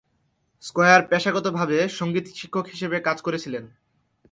Square পেশাগতভাবে সঙ্গীত শিক্ষক হিসাবে কাজ করেছিলেন।